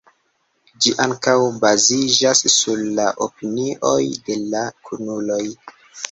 Ĝi ankaŭ baziĝas sur la opinioj de la kunuloj.